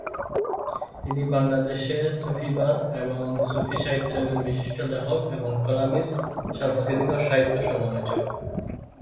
তিনি বাংলাদেশে সুফিবাদ এবং সুফি সাহিত্যের একজন বিশিষ্ট লেখক এবং কলামিস্ট, সাংস্কৃতিক ও সাহিত্য সমালোচক।